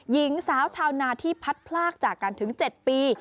หญิงสาวชาวนาที่พัดพลากจากกันถึง๗ปี